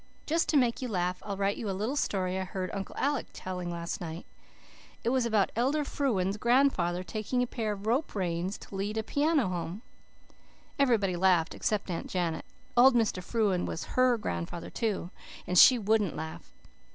"Just to make you laugh I'll write you a little story I heard Uncle Alec telling last night. It was about Elder Frewen's grandfather taking a pair of rope reins to lead a piano home. Everybody laughed except Aunt Janet. Old Mr. Frewen was HER grandfather too, and she wouldn't laugh.